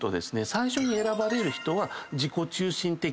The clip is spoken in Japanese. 最初に選ばれる人は自己中心的。